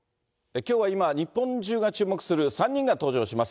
きょうは今、日本中が注目する３人が登場します。